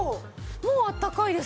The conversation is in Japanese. もうあったかいです。